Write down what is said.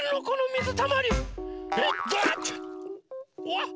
わっ！